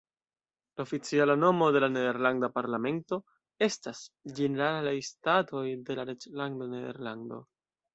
La oficiala nomo de la nederlanda parlamento estas "Ĝeneralaj Statoj de la Reĝlando Nederlando".